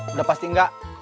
udah pasti enggak